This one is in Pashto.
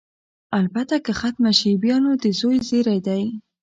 البته که ختمه شي، بیا نو د زوی زېری دی.